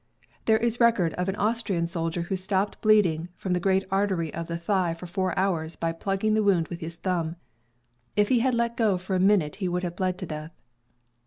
There is record of an Austrian soldier who stopped bleeding from the great artery of the thigh for four hours by plugging the wound with his thumb; if he had let go for a minute he would have bled to death.